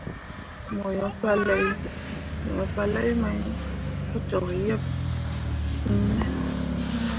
Mo yo palai mai pu cok yeb iŋ ne.